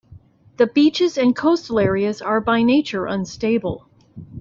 The beaches and coastal areas are by nature unstable.